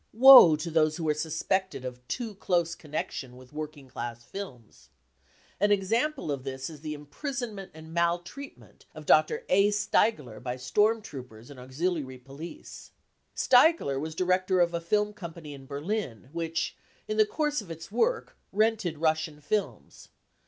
Woe to those who are suspected of too close connection with working class films ! An example of this is the im prisonment and maltreatment of Dr. A. Steigler by storm troopers and auxiliary police. Steigler was director of a film company in Berlin which in the course of its work rented Russian films.